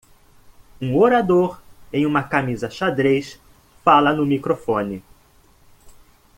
Um orador em uma camisa xadrez fala no microfone.